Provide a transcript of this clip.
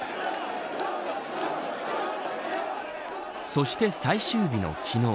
そして最終日の昨日。